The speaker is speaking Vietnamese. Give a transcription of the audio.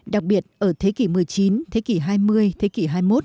đặc biệt ở thế kỷ một mươi chín thế kỷ hai mươi thế kỷ hai mươi một